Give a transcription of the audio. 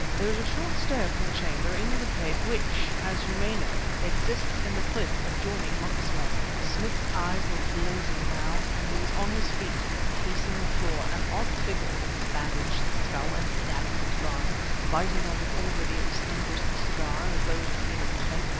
There is a short stair from the chamber into the cave which, as you may know, exists in the cliff adjoining Monkswell." Smith's eyes were blazing now, and he was on his feet, pacing the floor, an odd figure, with his bandaged skull and inadequate garments, biting on the already extinguished cigar as though it had been a pipe.